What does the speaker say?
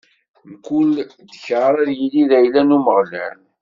Mkul dkeṛ ad yili d ayla n Umeɣlal.